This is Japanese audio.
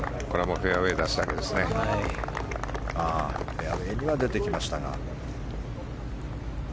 フェアウェーには出てきましたが。